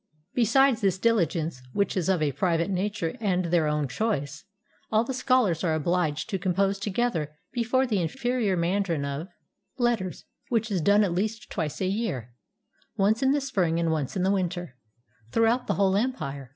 Besides this diligence which is of a private nature and their own choice, all the scholars are obliged to compose together before the inferior mandarin of letters, which is done at least twice a year, once in the spring and once in the winter, throughout the whole empire.